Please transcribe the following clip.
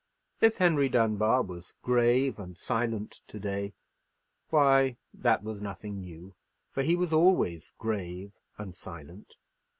If Henry Dunbar was grave and silent to day, why that was nothing new: for he was always grave and silent.